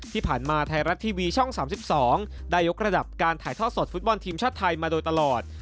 ที่ผ่านมาไทยรัฐทีวีช่อง๓๒ได้ยกระดับการถ่ายทอดสดฟุตบอลทีมชาติไทยมาโดยตลอด